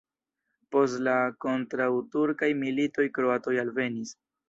Post la kontraŭturkaj militoj kroatoj alvenis.